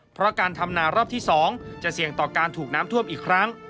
เพราะการทำนารอบที่๒จะเสี่ยงต่อการถูกน้ำท่วมอีกครั้ง